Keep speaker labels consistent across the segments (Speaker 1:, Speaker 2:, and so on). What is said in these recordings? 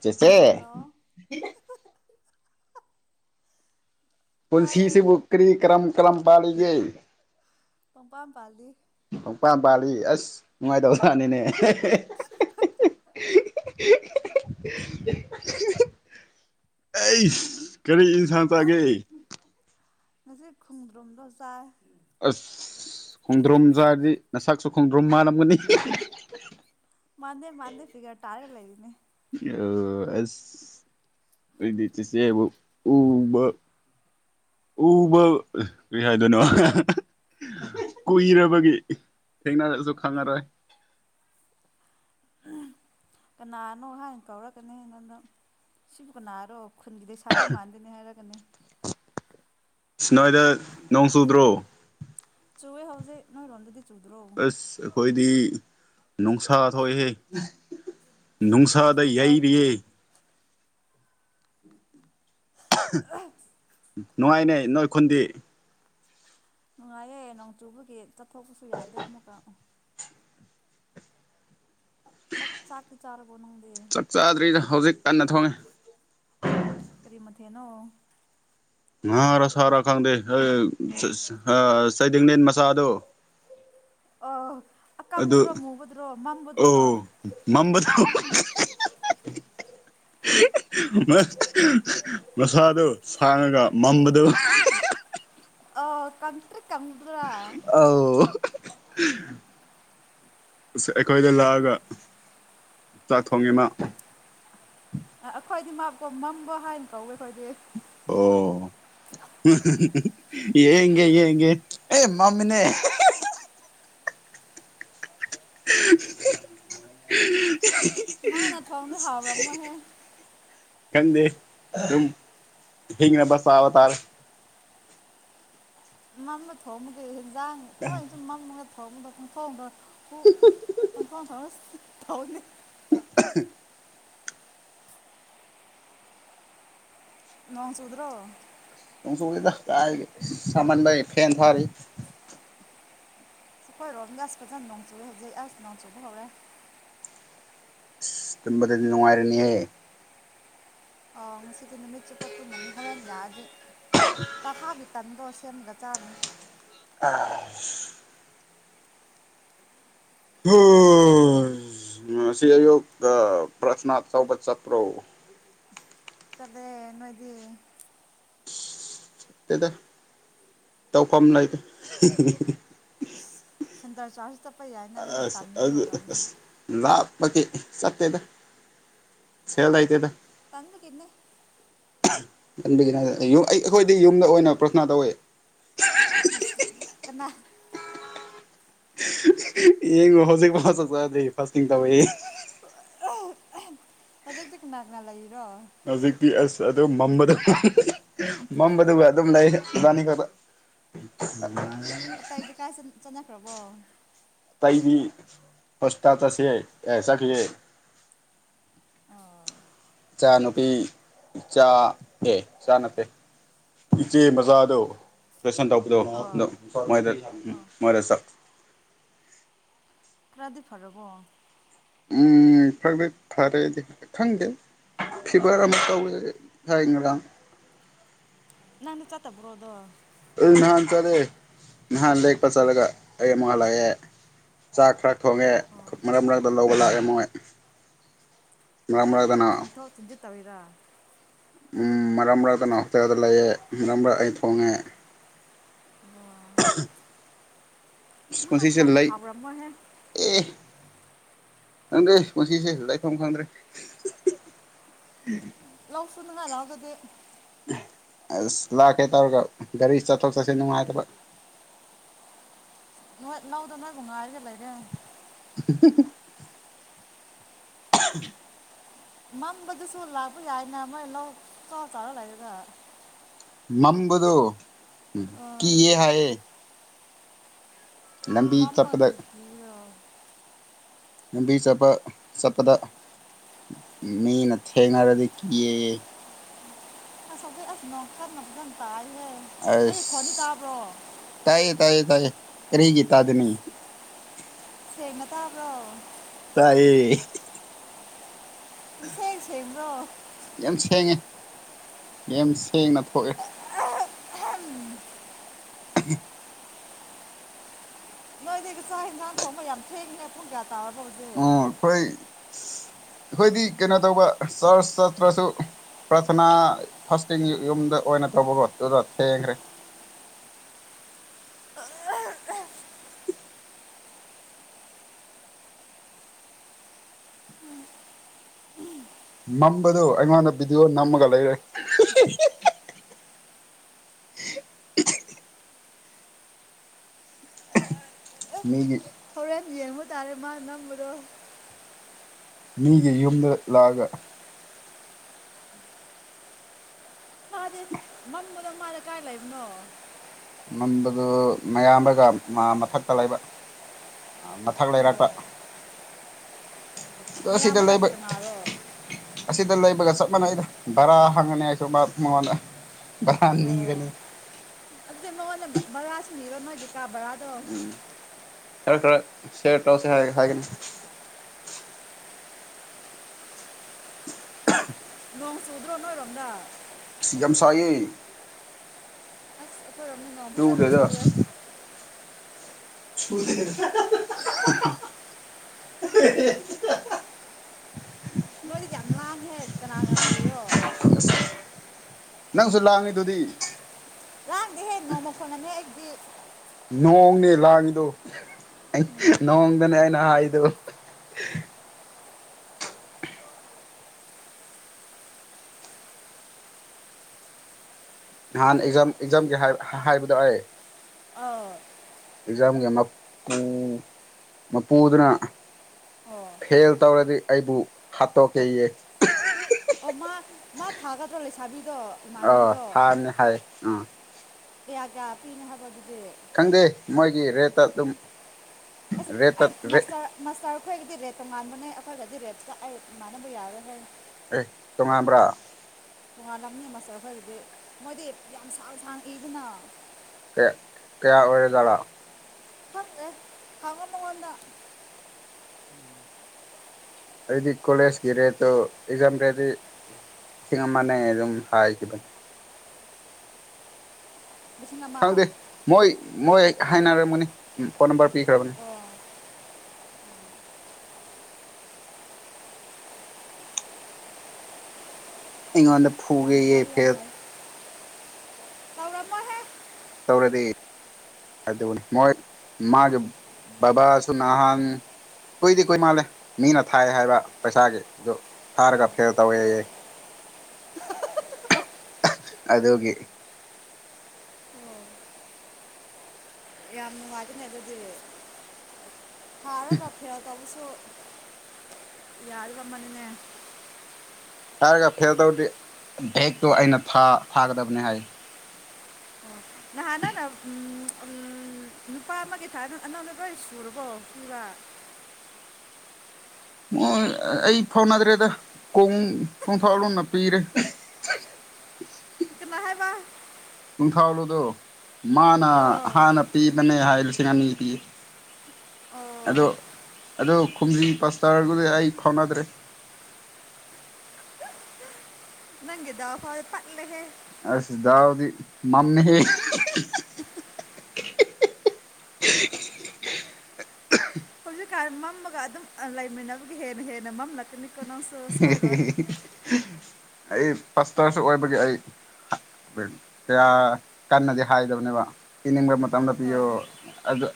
Speaker 1: [inaudible] ꯆꯦꯆꯦ
Speaker 2: ꯍꯜꯂꯣ ꯇꯥꯏꯌꯦ
Speaker 1: ꯄꯨꯟꯁꯤꯁꯤꯕꯨ ꯀꯔꯤ ꯀ꯭ꯔꯝ ꯀ꯭ꯔꯝ ꯄꯥꯥꯂꯤꯒꯦ
Speaker 2: ꯄꯪꯄꯥꯟ ꯄꯥꯜꯂꯤ
Speaker 1: ꯐꯅꯥꯝ ꯄꯥꯜꯂꯤ ꯑꯁ ꯅꯨꯡꯉꯥꯏꯇꯕꯖꯥꯠꯅꯤꯅꯦ [inaudible] ꯑꯩꯁ ꯀꯔꯤ ꯏꯟꯁꯥꯡ ꯆꯥꯒꯦ
Speaker 2: ꯉꯁꯤ ꯈꯣꯡꯗ꯭ꯔꯨꯝꯗꯣ ꯆꯥꯏ
Speaker 1: ꯑꯁ ꯈꯣꯡꯗ꯭ꯔꯣꯝ ꯆꯥꯔꯗꯤ ꯅꯁꯛꯁꯨ ꯈꯣꯡꯗ꯭ꯔꯣꯝ ꯃꯥꯂꯝꯒꯅꯤ
Speaker 2: ꯃꯥꯟꯗꯦ ꯃꯥꯟꯗꯦ ꯐꯤꯒꯔ ꯇꯥꯔ ꯂꯩꯔꯤꯅꯦ
Speaker 1: ꯑ ꯑꯁ ꯑꯩꯗꯤ ꯆꯦꯆꯦꯕꯨ ꯎꯕ ꯎꯕ ꯀꯩ ꯍꯥꯏꯗꯣꯏꯅꯣ ꯀꯨꯏꯔꯕꯒꯤ ꯊꯦꯡꯅꯔꯁꯨ ꯈꯪꯉꯔꯣꯏ
Speaker 2: ꯀꯅꯥꯅꯣ ꯍꯥꯏꯟꯅ ꯀꯧꯔꯛꯀꯅꯨ ꯅꯪꯒꯣꯟꯗ ꯁꯤꯕꯨ ꯀꯅꯥꯔꯣ ꯈꯨꯟꯒꯤ ꯂꯩꯁꯥꯕꯤ ꯃꯥꯟꯒꯅꯤ ꯍꯥꯏꯔꯒꯅꯦ
Speaker 1: ꯁꯤ ꯅꯣꯏꯗ ꯅꯣꯡ ꯆꯨꯗ꯭ꯔꯣ
Speaker 2: ꯆꯨꯏꯌꯦ ꯍꯧꯖꯤꯛ ꯅꯣꯏ ꯔꯣꯝꯗꯗꯤ
Speaker 1: ꯑꯁ ꯑꯈꯣꯏ ꯗꯤ ꯅꯨꯡꯁꯥ ꯊꯣꯛꯏꯍꯦ ꯅꯨꯡꯁꯥꯗ
Speaker 2: ꯅꯨꯡꯉꯥꯏ
Speaker 1: ꯌꯩꯔꯤꯌꯦ ꯅꯨꯡꯉꯥꯏꯅꯦ ꯅꯣꯏ ꯈꯨꯟꯗꯤ
Speaker 2: ꯅꯨꯡꯉꯥꯏꯌꯦ ꯅꯣꯡ ꯆꯨꯕꯒꯤ ꯆꯠꯊꯣꯛꯄꯁꯨ ꯌꯥꯗꯦ ꯑꯃꯨꯛꯀ ꯆ ꯆꯥꯛꯇꯤ ꯆꯥꯔꯕꯣ ꯅꯪꯕꯣ
Speaker 1: ꯆꯥꯛ ꯆꯥꯗ꯭ꯔꯤꯗ ꯍꯧꯖꯤꯛ ꯀꯟꯅ ꯊꯣꯡꯉꯦ
Speaker 2: ꯀꯔꯤ ꯃꯊꯦꯟꯅꯣ
Speaker 1: ꯉꯥꯔꯥ ꯁꯥꯔꯥ ꯈꯪꯗꯦ ꯍꯦ ꯆ ꯍꯦ ꯆꯩꯗꯤꯡꯅꯦ ꯅꯆꯥꯗꯣ
Speaker 2: ꯑꯥ
Speaker 1: ꯑꯗꯨ ꯑꯣ ꯃꯝꯕꯗꯣ [inaudible] ꯃꯁꯥꯗꯨ ꯁꯥꯡꯔꯒ ꯃꯝꯕꯗꯨ [inaudible]
Speaker 2: ꯑꯣ [unintelligible] ꯇꯔꯤꯛ ꯀꯪꯕꯗꯨꯔꯥ
Speaker 1: ꯑꯧ ꯑꯁ ꯑꯩꯈꯣꯏꯗ ꯂꯥꯛꯑꯒ ꯆꯥꯛ ꯊꯣꯡꯉꯤ ꯃꯥ
Speaker 2: ꯑꯩꯈꯣꯏꯗꯤ ꯃꯥꯀꯣ ꯃꯝꯕ ꯍꯥꯏꯅ ꯀꯧꯋꯦ ꯑꯩꯈꯣꯏꯗꯤ
Speaker 1: ꯑꯣ [inaudible] ꯌꯦꯡꯒꯦ ꯌꯦꯡꯒꯦ ꯑꯦ ꯃꯝꯃꯤꯅꯦ [inaudible] [inaudible]
Speaker 2: ꯃꯥꯅ ꯊꯣꯡꯗꯤ ꯍꯥꯎꯔꯝꯃꯣꯏꯍꯦ
Speaker 1: [inaudible] ꯈꯪꯗꯦ ꯑꯗꯨꯝ ꯍꯤꯡꯅꯕ ꯆꯥꯕ ꯇꯥꯔꯦ
Speaker 2: ꯉꯅ ꯊꯣꯡꯒꯨꯌꯦ [unintelligible] ꯊꯣꯡꯕ ꯁꯨꯡꯊꯣꯢꯂꯣꯢ ꯎ ꯄꯪꯊꯣꯡ ꯊꯣꯡꯁ ꯊꯥꯎ ꯅꯦ
Speaker 1: ꯍ
Speaker 2: ꯅꯣꯡ ꯆꯨꯗ꯭ꯔꯣ
Speaker 1: ꯅꯣꯡ ꯆꯨꯗꯦꯗ ꯀꯔꯥꯢꯗꯒꯤ ꯑꯁ ꯁꯥꯃꯟꯕꯒꯤ ꯐꯦꯟ ꯊꯥꯔꯤ
Speaker 2: ꯑꯩꯈꯣꯏꯔꯣꯝ ꯗꯁ ꯐꯖꯅ ꯅꯣꯡ ꯆꯨꯢꯌꯦ ꯍꯧꯖꯩ ꯑꯁ ꯅꯣꯡ ꯆꯨꯕ ꯍꯧꯔꯦ
Speaker 1: ꯁꯤ ꯇꯨꯝꯕꯗꯗꯤ ꯅꯨꯡꯉꯥꯏꯔꯅꯤꯍꯦ
Speaker 2: ꯑ ꯉꯁꯤꯗꯤ ꯅꯨꯃꯤꯠ ꯆꯨꯞꯄ ꯇꯨꯝꯃꯅꯤ ꯍꯣꯔꯦꯟ ꯌꯥꯗꯤ ꯀꯥꯍꯥꯎꯒꯤ ꯇꯟꯕꯣ ꯁꯦꯝꯒ ꯆꯥꯅꯤ
Speaker 1: ꯑꯥ ꯑꯣ ꯁ ꯉꯁꯤ ꯑꯌꯨꯛ ꯑꯥ ꯄ꯭ꯔꯊꯅꯥ ꯇꯧꯕ ꯆꯠꯄ꯭ꯔꯣ
Speaker 2: ꯆꯠꯂꯦ ꯅꯣꯏꯗꯤ
Speaker 1: ꯇꯦꯗ ꯇꯧꯐꯝ ꯂꯩꯗꯦ ꯍꯤꯍꯤꯍꯤ
Speaker 2: ꯑꯁ ꯁꯟꯗꯔ ꯆ
Speaker 1: ꯑꯁ ꯑꯗꯨ ꯑꯁ ꯂꯥꯞ ꯄꯒꯤ ꯆꯠꯇꯦꯗ ꯁꯦꯜ ꯂꯩꯇꯦꯗ
Speaker 2: ꯇꯟꯕꯒꯤꯅꯦ
Speaker 1: ꯑꯍꯥ ꯑꯟꯕꯒꯤꯅꯦ ꯑꯌꯨ ꯑꯩ ꯑꯩꯈꯣꯏꯗꯤ ꯌꯨꯝꯗ ꯑꯣꯏꯅ ꯄ꯭ꯔꯊꯅꯥ ꯇꯧꯋꯦ
Speaker 2: ꯏꯁ ꯌꯥꯝ ꯌꯥꯝ ꯀꯅꯥ
Speaker 1: ꯌꯦꯉꯣ ꯍꯖꯤꯛꯐꯧ ꯆꯥꯛ ꯆꯥꯗ꯭ꯔꯤ ꯐꯥꯁꯇꯤꯡ ꯇꯧꯋꯦꯌꯦ ꯍꯤꯍꯤ
Speaker 2: ꯌꯧꯖꯤꯛꯇꯤ ꯀꯅꯥ ꯀꯅꯥ ꯂꯩꯏ
Speaker 1: ꯍꯧꯖꯤꯛꯇꯤ ꯑꯁ ꯑꯗꯨ ꯃꯝꯕꯥꯗꯨ ꯎꯝ ꯍꯝ ꯎꯝ ꯃꯝꯕꯥꯗꯨꯒ ꯑꯗꯨꯝ ꯂꯩꯗ ꯏꯕꯥꯟꯅꯤ ꯈꯛꯇ
Speaker 2: ꯑꯇꯩꯗꯤ ꯀꯥꯏ ꯆ ꯆꯠꯅ ꯈ꯭ꯔꯕꯣ
Speaker 1: ꯇꯩꯕꯤ ꯄꯣꯁꯇꯥ ꯆꯁꯦ ꯑ ꯆꯠꯈꯤꯌꯦ
Speaker 2: ꯑꯣ
Speaker 1: ꯏꯆꯥ ꯅꯨꯨꯄꯤ ꯏꯆꯥ ꯑꯦ ꯏꯆꯥ ꯅꯠꯇꯦ ꯏꯆꯦ ꯃꯆꯥꯗꯣ ꯁꯟ ꯇꯧꯕꯗꯣ ꯗꯣ
Speaker 2: ꯑꯣ
Speaker 1: ꯃꯣꯢꯗ
Speaker 2: ꯑꯥ
Speaker 1: ꯃꯔꯥ ꯆ
Speaker 2: ꯈ꯭ꯔꯗꯤ ꯐꯔꯕꯣ
Speaker 1: ꯎꯝ ꯈꯔ ꯈꯔ ꯐꯔꯦꯗꯤ ꯈꯪꯗꯦ ꯐꯤꯕꯔ ꯑꯝ ꯇꯧꯋꯦ ꯍꯥꯏ ꯉꯔꯥꯡ
Speaker 2: ꯅꯪꯗꯤ ꯆꯠꯇꯕ꯭ꯔꯣꯗꯣ
Speaker 1: ꯑꯩ ꯅꯍꯥꯟ ꯆꯠꯂꯦ ꯅꯍꯥꯟ ꯂꯦꯛꯄ ꯆꯠꯂꯒ ꯑꯩ ꯑꯃꯨꯛ ꯍꯜꯂꯛꯑꯦ ꯆꯥꯛ ꯈ꯭ꯔ ꯊꯣꯡꯉꯦ
Speaker 2: ꯑꯣ
Speaker 1: ꯃꯔꯛ ꯃꯔꯛꯇ ꯂꯧꯕ ꯂꯥꯛꯑꯦ ꯃꯣꯏ
Speaker 2: ꯑꯣ
Speaker 1: ꯃꯔꯛ
Speaker 2: ꯅꯣꯏ
Speaker 1: ꯃꯔꯛꯇꯅ
Speaker 2: ꯑꯃꯨꯛꯀ ꯊꯤꯟꯊꯣꯛ ꯊꯤꯟꯖꯤ ꯇꯧꯢꯔꯥ
Speaker 1: ꯎꯝ ꯃꯔꯛ ꯃꯔꯛꯇꯅ ꯍꯣꯇꯦꯜꯗ ꯂꯩꯌꯦ ꯃꯔꯛ ꯃꯔꯛ ꯑꯩ ꯊꯣꯡꯉꯦ ꯑꯍꯝ
Speaker 2: ꯅꯪꯅ ꯊꯣꯡ ꯑꯗꯤ ꯍꯥꯎꯔꯝ ꯃꯣꯏꯍꯦ
Speaker 1: ꯈꯣꯗꯦ ꯉꯁꯤꯁꯦ ꯂꯩꯐꯝ ꯈꯪꯗꯔꯦ ꯍꯤ ꯍꯤꯍꯤ
Speaker 2: ꯂꯧ ꯁꯨꯅꯉꯥꯏ ꯂꯥꯎ ꯑꯗꯨꯗꯤ
Speaker 1: ꯑꯁ ꯂꯥꯛꯀꯦ ꯇꯧꯔꯒ ꯒꯥꯔꯤ ꯆꯠꯊꯣꯛ ꯆꯠꯁꯤꯟ ꯅꯨꯡꯉꯥꯏꯇꯕ
Speaker 2: ꯍꯣꯏ ꯂꯧꯗꯣ ꯅꯣꯏꯕꯨ ꯉꯥꯏꯔꯒ ꯂꯩꯔꯦ
Speaker 1: ꯍꯤ ꯍꯤ
Speaker 2: ꯃꯝꯕꯗꯨꯁꯨ ꯂꯥꯛꯄ ꯌꯥꯏꯅꯦ ꯃꯣꯏ ꯂꯧ [unintelligible]
Speaker 1: ꯃꯝꯕꯗꯨ ꯀꯤꯌꯦ ꯍꯥꯏꯌꯦ ꯂꯝꯕꯤ
Speaker 2: ꯃꯝꯃꯥ
Speaker 1: ꯆꯠꯄꯗ
Speaker 2: ꯀꯔꯤꯒꯤ ꯀꯤꯔꯤꯔꯣ
Speaker 1: ꯂꯝꯕꯤ ꯆꯠꯄ ꯆꯠꯄꯗ ꯃꯤꯅ ꯊꯦꯡꯅꯔꯗꯤ ꯀꯤꯌꯦꯌꯦ
Speaker 2: ꯑꯁ ꯑꯩꯈꯣꯏ ꯅꯣꯡ ꯀꯟꯅ ꯐꯖꯟꯅ ꯇꯥꯢꯌꯦ
Speaker 1: ꯑꯁ ꯇꯥꯏꯌꯦ ꯇꯥꯏꯌꯦ ꯇꯥꯏꯌꯦ ꯀꯔꯤꯒꯤ ꯇꯥꯗꯅꯤ
Speaker 2: ꯁꯦꯡꯅ ꯇꯕ꯭ꯔꯣ
Speaker 1: ꯇꯥꯏꯌꯦ
Speaker 2: [unintelligible] [unintelligible]
Speaker 1: ꯌꯥꯝ ꯁꯦꯡꯉꯦ ꯌꯥꯝ ꯁꯦꯡꯅ ꯊꯣꯛꯑꯦ [unintelligible]
Speaker 2: ꯅꯣꯏꯗꯤ ꯆꯥꯥꯛ ꯍꯟꯖꯥꯡ ꯊꯣꯡꯕ ꯌꯥꯝ ꯊꯦꯡꯉꯤꯅꯦ ꯄꯨꯡ ꯀꯌꯥ ꯇꯥꯔꯕꯅꯣ
Speaker 1: ꯑꯣ ꯑꯩꯈꯣꯏ ꯑꯩꯈꯣꯏꯗꯤ ꯀꯩꯅꯣ ꯇꯧꯕ ꯆꯔꯥ ꯆꯥ ꯇ꯭ꯔꯁꯨ ꯄ꯭ꯔꯊꯅꯥ ꯐꯥꯁꯇꯤꯡ ꯌꯨꯝꯗ ꯑꯣꯏꯅ ꯇꯧꯕ ꯑꯗꯨꯕꯀꯣ ꯑꯗꯨꯗ ꯊꯦꯡꯈ꯭ꯔꯦ
Speaker 2: [unintelligible]
Speaker 1: ꯃꯝꯕꯗꯣ ꯑꯩꯉꯣꯟꯗ ꯚꯤꯗꯤꯑꯣ ꯅꯝꯃꯒ ꯂꯩꯔꯦ ꯃꯤꯒꯤ
Speaker 2: ꯍꯣꯔꯦꯟ ꯌꯦꯡꯉꯨ ꯇꯥꯔꯦ ꯃꯥ ꯅꯝꯕꯗꯣ
Speaker 1: ꯃꯤꯒꯤ ꯌꯨꯝꯗ ꯂꯥꯛꯑꯒ
Speaker 2: ꯃꯥꯗꯤ ꯃꯝꯕꯗꯪ ꯃꯥꯗꯝ ꯀꯗꯥꯏ ꯂꯩꯕꯅꯣ
Speaker 1: ꯃꯝꯕꯗꯨ ꯃꯥ ꯃꯌꯥꯝꯕꯒ ꯃꯥ ꯃꯊꯛꯇ ꯂꯩꯕ ꯑ ꯃꯊꯛ
Speaker 2: ꯑꯣ
Speaker 1: ꯂꯩꯔꯛꯄ ꯑꯁꯤꯗ
Speaker 2: ꯃꯌꯥꯝꯕ
Speaker 1: ꯂꯩꯕ
Speaker 2: ꯍꯥꯏꯕꯗꯤ ꯀꯅꯥꯔꯣ
Speaker 1: ꯑꯁꯤꯗ ꯂꯩ ꯆꯞ ꯃꯥꯟꯅꯩꯗ ꯚꯔꯥ ꯍꯪꯉꯅꯤ ꯑꯩꯁꯨ ꯃꯉꯣꯟꯗ ꯕꯗꯟ ꯅꯤꯔꯅꯤ [unintelligible]
Speaker 2: ꯕꯔꯥ [unintelligible] ꯀꯥ ꯕꯔꯥꯗꯣ
Speaker 1: ꯈꯔ ꯈꯔ ꯁꯤꯌ꯭ꯔ ꯇꯧꯁꯦ ꯍꯥꯏ ꯍꯥꯏꯒꯅꯤ [inaudible]
Speaker 2: ꯅꯣꯡ ꯆꯨꯗꯔꯣ ꯅꯣꯏꯔꯣꯝꯗ
Speaker 1: ꯁꯤ ꯌꯥꯝ ꯁꯥꯏꯌꯦ
Speaker 2: ꯑꯩꯈꯣꯏꯔꯣꯝꯗꯤ ꯅꯣꯡ ꯐꯖꯅ
Speaker 1: ꯆꯨꯗꯦꯗ
Speaker 2: ꯆꯨꯔꯦ
Speaker 1: [unintelligible]
Speaker 2: ꯅꯣꯏ ꯌꯥꯝ ꯂꯥꯡꯉꯦ ꯀꯥꯅ ꯀꯥꯅ ꯂꯩꯔꯤꯔꯣ
Speaker 1: ꯅꯪꯁꯨ ꯂꯥꯡꯉꯤꯗꯨꯗꯤ
Speaker 2: ꯂꯥꯡꯗꯦ ꯍꯦ ꯅꯣꯡ ꯃꯈꯣꯜꯅꯅꯤ ꯑꯩꯗꯤ
Speaker 1: ꯅꯣꯡꯅꯦ ꯂꯥꯡꯉꯤꯗꯣ ꯅꯣꯡꯗꯅꯦ ꯅꯥ ꯍꯥꯏꯗꯣ ꯅꯥꯍꯥꯟ ꯑꯦꯛꯖꯥꯝ ꯑꯦꯛꯖꯥꯝꯒꯤ ꯍꯥꯏꯕꯗꯣ ꯑꯩ
Speaker 2: ꯑꯧ
Speaker 1: ꯑꯦꯛꯖꯥꯝꯒꯤ ꯃꯄꯨ ꯃꯄꯨꯗꯨꯅ
Speaker 2: ꯑꯣ
Speaker 1: ꯐꯦꯜ ꯇꯧꯔꯗꯤ ꯑꯩꯕꯨ ꯍꯥꯠꯇꯣꯛꯀꯦ ꯌꯦ
Speaker 2: ꯑꯣ ꯃꯥ ꯃꯥ ꯊꯥꯒꯗ꯭ꯔꯣ ꯂꯩꯁꯥꯕꯤꯗꯣ
Speaker 1: ꯑꯥ
Speaker 2: ꯏꯃꯥꯟꯕꯤꯗꯣ
Speaker 1: ꯊꯥꯅꯤ ꯍꯥꯏ ꯑꯥ
Speaker 2: ꯀꯌꯥ ꯀꯌꯥ ꯄꯤꯅ ꯍꯥꯏꯕ ꯑꯗꯨ
Speaker 1: ꯈꯪꯗꯦ ꯃꯣꯏꯒꯤ ꯔꯦꯠ ꯇ ꯑꯗꯨꯨꯝ [unintelligible] ꯔꯦꯠꯇ
Speaker 2: ꯃꯥꯁꯇꯔ ꯃꯥꯁꯇꯔ ꯑꯩꯈꯣꯏꯒꯤꯗꯤ ꯔꯦꯠ ꯇꯣꯉꯥꯟꯕꯅꯦ ꯑꯩꯈꯣꯏꯒꯗꯤ ꯔꯦꯠ ꯑꯩ ꯃꯥꯟꯅꯕ ꯌꯥꯔꯣꯏ ꯍꯥꯏꯅꯤ
Speaker 1: ꯑꯦ ꯇꯣꯉꯥꯟꯕ꯭ꯔꯥ
Speaker 2: ꯇꯣꯉꯥꯜꯂꯝꯅꯤ ꯃꯥꯁꯇ꯭ꯔ ꯈꯣꯏꯒꯤꯗꯤ ꯃꯣꯏꯗꯤ ꯌꯥꯝ ꯁꯥꯡ ꯁꯥꯡ ꯏꯗꯅ
Speaker 1: ꯀꯌꯥ ꯀꯆꯥ ꯑꯣꯏꯔꯖꯠꯂꯥ
Speaker 2: ꯈꯥꯪꯗꯦ ꯍꯪꯉꯣ ꯃꯥꯉꯣꯟꯗ
Speaker 1: ꯑꯗꯨꯗꯤ ꯀꯣꯂꯦꯖꯀꯤꯔꯦꯗꯣ ꯑꯦꯛꯖꯥꯝꯗꯗꯤ ꯂꯤꯁꯤꯡ ꯑꯃꯅꯦ ꯑꯗꯨꯝ ꯍꯥꯏꯈꯤꯕꯅꯦ ꯍꯪꯗꯦ ꯃꯣꯏ ꯃꯣꯏ ꯍꯥꯏꯅꯔꯝꯒꯅꯤ ꯐꯣꯟ ꯅꯝꯕꯔ ꯄꯤꯈ꯭ꯔꯕꯅꯦ ꯑꯩꯉꯣꯟꯗ ꯐꯨꯒꯦ ꯌꯦ ꯐꯦꯜ
Speaker 2: ꯇꯧꯔꯝꯃꯣꯏꯍꯦ
Speaker 1: ꯇꯧꯔꯗꯤ ꯑꯗꯨꯕꯨꯅꯤ ꯃꯣꯏ ꯃꯥꯒꯤ ꯕꯕꯥꯁꯨ ꯅꯍꯥꯟ ꯀꯨꯏꯗꯤ ꯀꯨꯏ ꯃꯥꯜꯂꯦ ꯃꯤꯅ ꯊꯥꯏ ꯍꯥꯏꯕ ꯄꯩꯁꯥꯒꯤ ꯑꯗꯨ ꯊꯥꯔꯒ ꯐꯦꯜ ꯇꯧ ꯑꯦꯌꯦ
Speaker 2: ꯍꯍ
Speaker 1: ꯑꯗꯨꯒꯤ
Speaker 2: ꯌꯥꯝꯅꯨꯡ ꯉꯥꯏꯕꯅꯦ ꯑꯗꯨꯗꯤ ꯊꯥꯔꯒ ꯐꯦꯜ ꯇꯧꯕꯁꯨ ꯌꯥꯔꯝꯃꯅꯤꯌꯦ
Speaker 1: ꯍꯥꯏꯔꯒ ꯐꯦꯜ ꯇꯧꯗꯤ ꯕꯦꯛꯇꯣ ꯑꯩꯅ ꯐꯥ ꯐꯥꯒꯗꯕꯅꯦ ꯍꯥꯏ
Speaker 2: ꯑꯣ ꯅꯍꯥꯟꯅ ꯅꯪꯅꯎꯝ ꯅꯨꯄꯥ ꯑꯃꯒꯤ ꯊꯥꯅ ꯑꯅꯅ ꯈꯣꯏ ꯁꯔꯕꯣ ꯄꯤꯕ [unintelligible]
Speaker 1: ꯉꯣꯏ ꯑꯩ ꯐꯥꯎꯅꯗ꯭ꯔꯦꯗ ꯀꯣꯡ ꯀꯣꯡꯊꯥ ꯂꯣꯅ ꯄꯤꯔꯦ
Speaker 2: ꯀꯅꯥ ꯍꯥꯏꯕ
Speaker 1: ꯊꯥꯂꯣꯗꯣ ꯃꯥꯅ ꯍꯥꯟꯅ ꯄꯤ ꯃꯅꯦ ꯍꯥꯏ ꯂꯤꯁꯤꯡ ꯑꯅꯤ ꯄꯤ ꯑꯗꯣ ꯑꯗꯣ ꯈꯨꯝꯖꯤ ꯄꯥꯁꯇꯔꯗꯨꯗꯤ ꯑꯩ ꯐꯥꯎꯅꯥꯗ꯭ꯔꯦ
Speaker 2: ꯅꯪꯒꯤ ꯗꯥꯎ ꯈꯣꯏ ꯄꯠꯂꯦꯍꯦ
Speaker 1: ꯑꯁꯗꯥꯎꯗꯤ ꯃꯝꯃꯦꯍꯦ
Speaker 2: [unintelligible]
Speaker 1: [unintelligible]
Speaker 2: ꯍꯧꯖꯤꯛꯀꯥꯟ ꯃꯝꯃꯒ ꯑꯗꯨꯝ ꯂꯩꯃꯤꯟꯅꯕꯒꯤ ꯍꯦꯟꯅ ꯍꯦꯟꯅ ꯃꯝꯂꯛꯀꯅꯤ ꯀꯅꯥꯝ ꯁꯣꯁꯣꯏ ꯔꯣꯏ
Speaker 1: ꯑꯩ ꯄꯥꯁꯇꯔꯁꯨ ꯑꯣꯏꯕꯒꯤ ꯑꯩ ꯀꯌꯥ ꯀꯟꯅꯗꯤ ꯍꯥꯏꯗꯕꯅꯦꯕ ꯄꯤꯅꯤꯡꯕ ꯃꯇꯝ ꯇꯝꯅ ꯄꯤꯌꯣ
Speaker 2: ꯑꯥ
Speaker 1: ꯑꯗ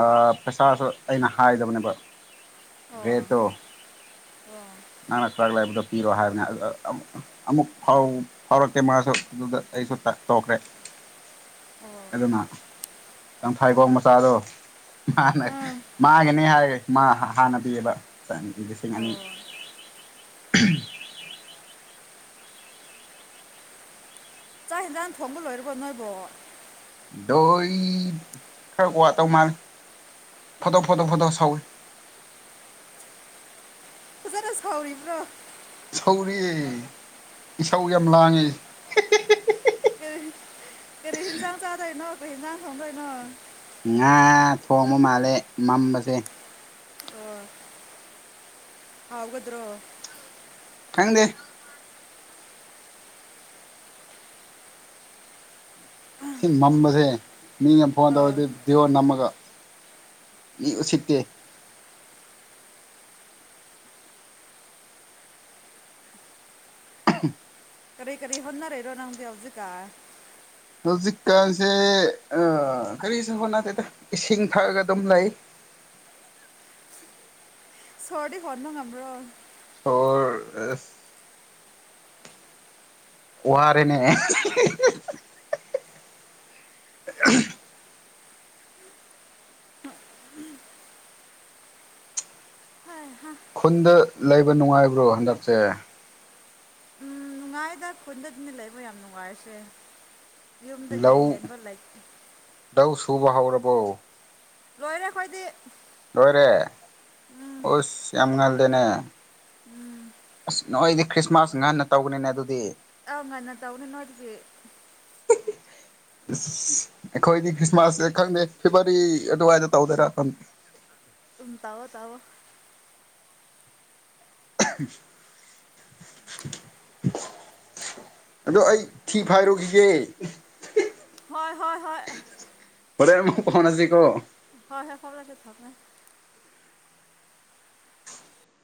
Speaker 1: ꯑꯥ ꯄꯩꯁꯥꯁꯨ ꯑꯩꯅ ꯍꯥꯏꯗꯕꯅꯦꯕ
Speaker 2: ꯑꯣ
Speaker 1: ꯔꯦꯠꯇꯣ
Speaker 2: ꯑꯥ
Speaker 1: ꯅꯪꯅ ꯈꯔꯛ ꯂꯥꯏꯕꯗꯣ ꯄꯤꯔꯣ ꯍꯥꯏꯕꯅꯤ ꯑꯃꯨꯛ ꯐꯥꯎꯔꯛꯇꯦ ꯃꯥꯁꯨ ꯑꯗꯨꯗ ꯑꯩꯁꯨ ꯇꯣꯛꯈ꯭ꯔꯦ
Speaker 2: ꯑꯥ
Speaker 1: ꯑꯗꯨꯅ ꯌꯥꯝꯊꯥꯏꯕꯣꯡ ꯃꯆꯥꯗꯣ ꯃꯥꯅ
Speaker 2: ꯑꯪ
Speaker 1: ꯃꯥꯒꯅꯤ ꯍꯥꯏ ꯃꯥ ꯍꯥꯟꯅ ꯄꯤꯌꯦꯕ ꯂꯤꯁꯤꯡ ꯑꯅꯤ
Speaker 2: ꯑꯥ
Speaker 1: [unintelligible]
Speaker 2: ꯆꯥꯛ ꯍꯦꯟꯖꯥꯡ ꯊꯣꯡꯕ ꯂꯣꯏꯔꯕꯣ ꯅꯣꯏꯕꯣ
Speaker 1: ꯗꯣꯏ ꯈꯔ ꯀ꯫ ꯋꯥꯇꯧ ꯃꯥꯜꯂꯤ ꯐꯣꯇꯣ ꯐꯣꯇꯣ ꯐꯣꯇꯣ ꯁꯧꯋꯤ
Speaker 2: ꯐꯖꯅ ꯁꯥꯎꯔꯤꯕ꯭ꯔꯣ
Speaker 1: ꯁꯧꯔꯤ ꯏꯁꯥꯎ ꯌꯥꯝ ꯂꯥꯡꯉꯦ ꯍꯦ ꯍꯦ ꯍꯦ
Speaker 2: ꯎꯝ ꯀꯔꯤ ꯍꯤꯟꯖꯥꯡ ꯆꯥꯗꯣꯏꯅꯣ ꯀꯩ ꯍꯤꯟꯖꯥꯡ ꯊꯣꯡꯗꯣꯏꯅꯣ
Speaker 1: ꯉꯥ ꯊꯣꯡꯕ ꯃꯥꯜꯂꯦ ꯃꯝꯕꯁꯦ
Speaker 2: ꯑꯣ ꯍꯥꯎꯒꯗ꯭ꯔꯣ
Speaker 1: ꯈꯪꯗꯦ ꯁꯤ ꯃꯝꯕꯁꯦ ꯃꯤꯒ ꯐꯣꯟ
Speaker 2: ꯑ
Speaker 1: ꯇꯧꯔꯗꯤ ꯚꯤꯗꯤꯌꯣ ꯅꯝꯃꯒ ꯃꯤ ꯎꯁꯤꯠꯇꯦ [unintelligible]
Speaker 2: ꯀꯔꯤ ꯀꯔꯤ ꯍꯣꯟꯅꯔꯦꯔꯣ ꯅꯪꯗꯤ ꯍꯧꯖꯤꯛ ꯀꯥꯟ
Speaker 1: ꯍꯧꯖꯤꯛꯀꯥꯟꯁꯦ ꯀꯔꯤꯁꯨ ꯍꯣꯠꯅꯗꯦꯗ ꯏꯁꯤꯡ ꯊꯛꯑꯒ ꯑꯗꯨꯝ ꯂꯩ
Speaker 2: ꯁꯣꯔꯗꯤ ꯍꯣꯟꯕ ꯉꯝꯕ꯭ꯔꯣ
Speaker 1: ꯑꯣꯔ ꯑꯁ ꯋꯥꯔꯦꯅꯦ [unintelligible]
Speaker 2: ꯎꯝ
Speaker 1: ꯈꯨꯟꯗ ꯂꯩꯕ ꯅꯨꯡꯉꯥꯏꯕ꯭ꯔꯣ ꯍꯟꯗꯛꯁꯦ
Speaker 2: ꯎꯝ ꯅꯨꯡꯉꯥꯏꯗ ꯄꯨꯟꯗ [unintelligible] ꯂꯩꯕ ꯌꯥꯝ ꯅꯨꯡꯉꯥꯏꯔꯤꯁꯦ ꯌꯨꯝꯗꯒꯤ ꯍꯦꯟꯕ ꯂꯩꯇꯦ
Speaker 1: ꯎꯕ ꯍꯧꯔꯕꯣ
Speaker 2: ꯂꯣꯏꯔꯦ ꯑꯈꯣꯏꯗꯤ
Speaker 1: ꯍꯣꯏꯔꯦ ꯑꯣꯁ ꯌꯥꯝ ꯉꯜ ꯑꯗꯨꯅꯦ
Speaker 2: ꯎꯝ
Speaker 1: ꯑꯁ ꯅꯣꯏꯗꯤ ꯈ꯭ꯔꯤꯁꯃꯥꯁ ꯉꯟꯅ ꯇꯧꯒꯅꯤꯅꯦ ꯑꯗꯨꯗꯤ
Speaker 2: ꯑꯧ ꯉꯟꯅ ꯇꯧꯔꯦ ꯅꯣꯏꯒꯤꯗꯤ
Speaker 1: ꯏꯁ ꯑꯩꯈꯣꯏꯗꯤ ꯈ꯭ꯔꯤꯁꯃꯥꯁꯇꯤ ꯈꯪꯗꯦ ꯐꯦꯕꯋꯥꯔꯤ ꯑꯗꯨꯋꯥꯏꯗ ꯇꯧꯗꯣꯏꯔꯥ
Speaker 2: ꯎꯝ ꯇꯧꯋꯣ ꯇꯧꯋꯣ
Speaker 1: ꯑꯗꯣ ꯑꯩ ꯊꯤ ꯐꯥꯏꯔꯨꯈꯤꯒꯦ
Speaker 2: ꯍꯣꯏ ꯍꯣꯏ ꯍꯣꯏ
Speaker 1: ꯍꯣꯔꯦꯟ ꯑꯃꯨꯛ ꯑꯣꯟꯅꯁꯤꯀꯣ
Speaker 2: ꯍꯣꯏ ꯍꯣꯏ ꯊꯣꯂꯛꯑꯒꯦ ꯊꯝꯃꯦ